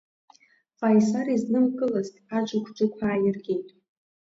Ҟаисар изнымкылазт аџықәџықә ааиргеит…